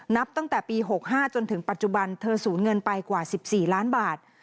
นับตั้งแต่ปี๖๕จนถึงปัจจุบันเธอสูญเงินไปกว่า๑๔ล้านบาท